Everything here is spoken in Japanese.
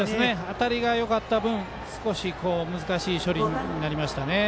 当たりがよかった分難しい処理になりましたね。